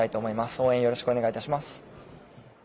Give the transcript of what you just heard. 応援よろしくお願いいたします。